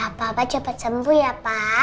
yaudah papa coba sembuh ya pak